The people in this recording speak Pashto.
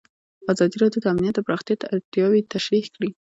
ازادي راډیو د امنیت د پراختیا اړتیاوې تشریح کړي.